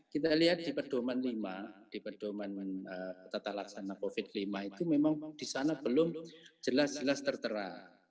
kita lihat di pedoman lima di pedoman tata laksana covid lima itu memang di sana belum jelas jelas tertera